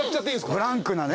フランクなね。